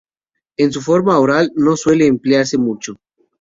En su forma oral no suele emplearse mucho.